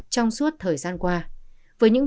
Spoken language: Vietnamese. trong suốt thời gian qua với những